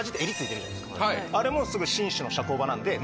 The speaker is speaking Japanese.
あれもすぐ紳士の社交場なんで。